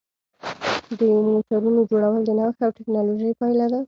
د موټرونو جوړول د نوښت او ټېکنالوژۍ پایله ده.